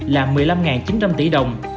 là một mươi năm chín trăm linh tỷ đồng